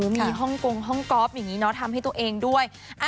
มีฮ่องกงห้องกอล์ฟอย่างนี้เนาะทำให้ตัวเองด้วย